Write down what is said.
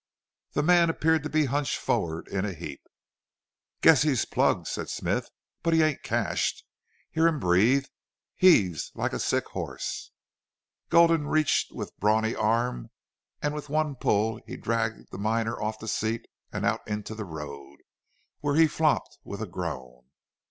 The man appeared to be hunched forward in a heap. "Guess he's plugged," said Smith. "But he ain't cashed. Hear him breathe?... Heaves like a sick hoss." Gulden reached with brawny arm and with one pull he dragged the miner off the seat and out into the road, where he flopped with a groan.